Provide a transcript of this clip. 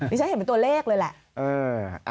อ๋อดิฉันเห็นตัวเลขเลยแหละ